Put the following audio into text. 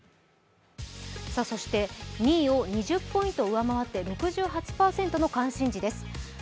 そして２位を２０ポイント上回って６８％の関心事です。